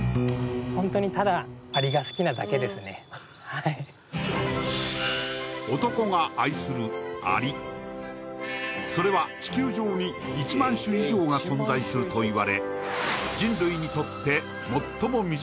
はい男が愛するアリそれは地球上に１万種以上が存在するといわれ人類にとっての